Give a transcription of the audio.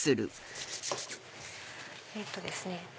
えっとですね。